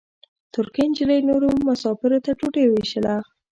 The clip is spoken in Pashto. ترکۍ نجلۍ نورو مساپرو ته ډوډۍ وېشله.